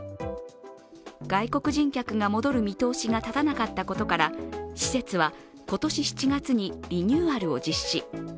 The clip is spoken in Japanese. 外国人客が戻る見通しが立たなかったことから、施設は今年７月にリニューアルを実施。